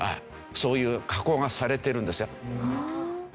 そういう加工がされてるんですよ。